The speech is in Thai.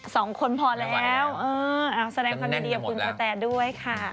สองคนพอแล้วเออแสดงธรรมดีของคุณกระแต่ด้วยค่ะ